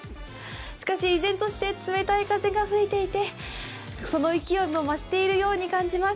しかし依然として冷たい風が吹いていて、その勢いも増しているように感じます。